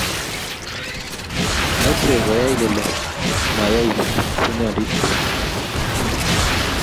meche koyai kole mayai bunyondit biik